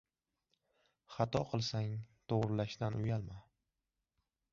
• Xato qilsang, to‘g‘rilashdan uyalma.